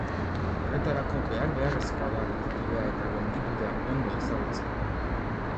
Horretarako behar-beharrezkoa da latitudea eta longitudea ondo ezagutzea.